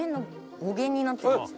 語源になってます。